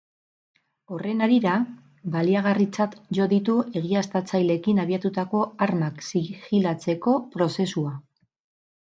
Horren harira, baliagarritzat jo ditu egiaztatzaileekin abiatutako armak zigilatzeko prozesua.